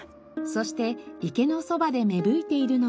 そして池のそばで芽吹いているのが。